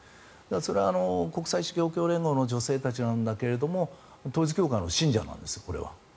それは国際勝共連合の女性たちなんだけれども統一教会の信者なんですこれは。